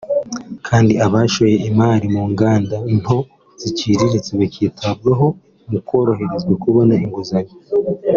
kandi abashoye imari mu nganda nto n’iziciriritse bakitabwaho mu koroherezwa kubona inguzanyo